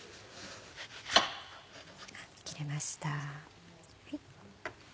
切れました。